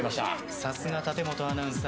さすが立本アナウンサー。